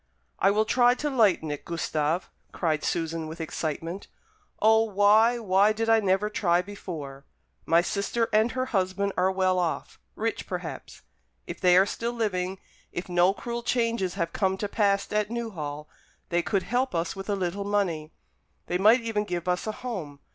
"I will try to lighten it, Gustave," cried Susan, with excitement. "O, why, why did I never try before! My sister and her husband are well off rich perhaps. If they are still living, if no cruel changes have come to pass at Newhall, they could help us with a little money. They might even give us a home.